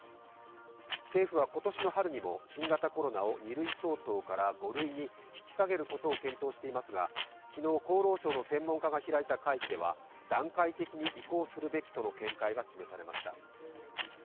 政府は今年の春にも新型コロナを２類相当から５類に引き下げることを検討していますが、昨日、厚労省の専門家が開いた会議では段階的に移行するべきとの見解が示されました。